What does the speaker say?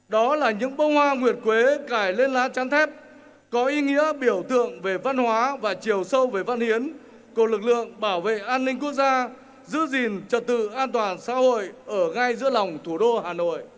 đó là những bông hoa nguyệt quế cải lên lá trăn thép có ý nghĩa biểu tượng về văn hóa và chiều sâu về văn hiến cột lực lượng bảo vệ an ninh quốc gia giữ gìn trật tự an toàn xã hội ở ngay giữa lòng thủ đô hà nội